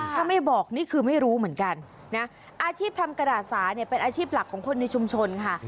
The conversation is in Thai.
ถ้าไม่บอกนี่คือไม่รู้เหมือนกันนะอาชีพทำกระดาษสาเนี่ยเป็นอาชีพหลักของคนในชุมชนค่ะ